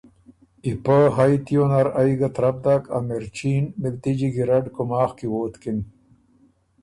ای پۀ هئ تیو نر ائ ګه ترپ داک ا مِرچي ن مِلتِجی ګیرډ کُوماخ کی ووتکِن